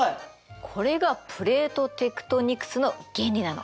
これがプレートテクトニクスの原理なの。